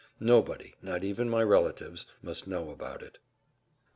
Nobody, not even my relatives, must know about it.